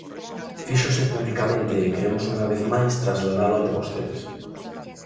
Fíxose publicamente e queremos unha vez máis trasladalo ante vostedes.